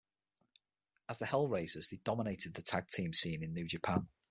As the Hell Raisers, they dominated the tag team scene in New Japan.